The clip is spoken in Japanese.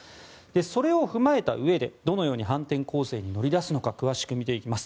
それを踏まえたうえでどのように反転攻勢に乗り出すのか詳しく見ていきます。